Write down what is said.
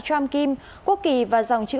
trump kim quốc kỳ và dòng chữ